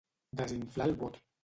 Desinflar el bot.